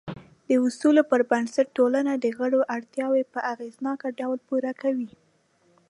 د اصولو پر بنسټ ټولنه د غړو اړتیاوې په اغېزناک ډول پوره کوي.